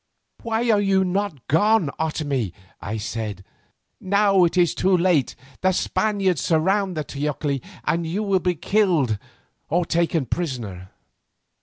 "Why are you not gone, Otomie?" I said. "Now it is too late. The Spaniards surround the teocalli and you will be killed or taken prisoner."